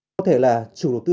có thể là chủ đầu tư